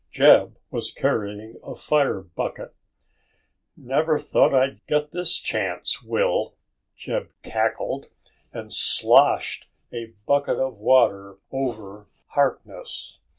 Jeb was carrying a fire bucket. "Never thought I'd ever get this chance, Will," Jeb cackled, and sloshed a bucket of water over Harkness.